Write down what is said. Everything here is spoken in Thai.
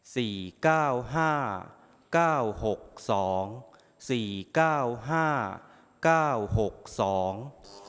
เก้าห้าเก้าหกสองสี่เก้าห้าเก้าหกสอง